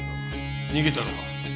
逃げたのか？